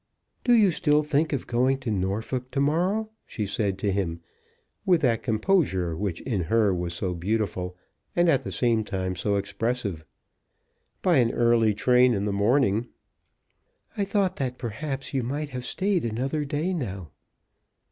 "Do you still think of going to Norfolk to morrow?" she said to him, with that composure which in her was so beautiful, and, at the same time, so expressive. "By an early train in the morning." "I thought that perhaps you might have stayed another day now."